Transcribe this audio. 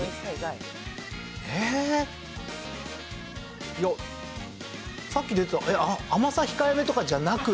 いやさっき出てた甘さ控えめとかじゃなく。